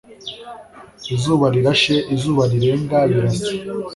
izuba rirashe izuba rirenga birasa,